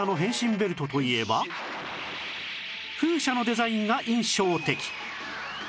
ベルトといえば風車のデザインが印象的